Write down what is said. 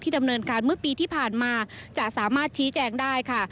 ดำเนินการเมื่อปีที่ผ่านมาจะสามารถชี้แจงได้ค่ะ